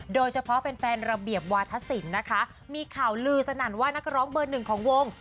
โดยเฉพาะแฟนระเบียบวาธศิลป์นะคะมีข่าวลือสนั่นว่านักร้องเบอร์หนึ่งของวง